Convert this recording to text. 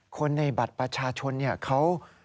คนในบัตรประชาชนเนี่ยเขา